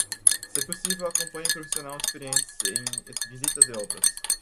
Se possível, acompanhe profissionais experientes em visitas a obras.